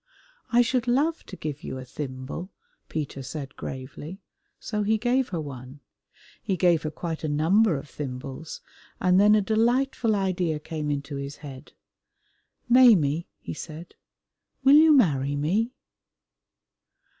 "I should love to give you a thimble," Peter said gravely, so he gave her one. He gave her quite a number of thimbles, and then a delightful idea came into his head! "Maimie," he said, "will you marry me?"